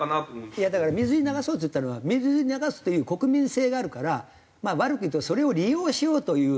いやだから水に流そうって言ったのは水に流すという国民性があるからまあ悪く言うとそれを利用しようという。